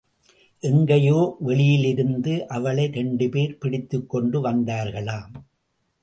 எங்கேயோ வெளியிலிருந்து அவளை இரண்டுபேர் பிடித்துக் கொண்டு வந்தார்களாம்.